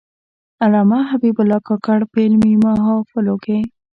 علامه حبیب الله کاکړ په علمي محافلو کې.